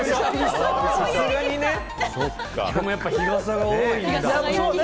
でもやっぱり日傘が多いんだ。